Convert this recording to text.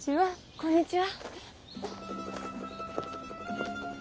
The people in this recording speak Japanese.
こんにちは。